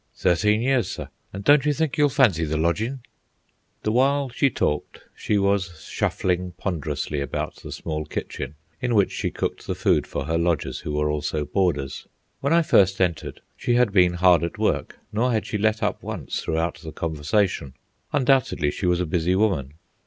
"Thirteen years, sir; an' don't you think you'll fancy the lodgin'?" The while she talked she was shuffling ponderously about the small kitchen in which she cooked the food for her lodgers who were also boarders. When I first entered, she had been hard at work, nor had she let up once throughout the conversation. Undoubtedly she was a busy woman.